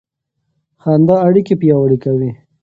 خندا اړیکې پیاوړې کوي.